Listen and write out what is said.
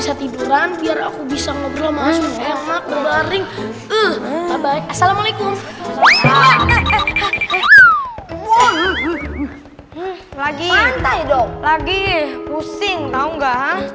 iya gue mau dihukum lagi sama ustadz musa